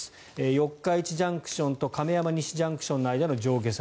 四日市ＪＣＴと亀山西ＪＣＴの間の上下線。